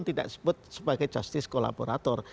tidak disebut sebagai justice kolaborator